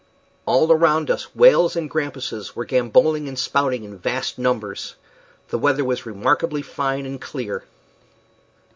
All around us whales and grampuses were gambolling and spouting in vast numbers. The weather was remarkably fine and clear.